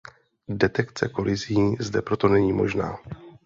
Detekce kolizí zde proto není možná.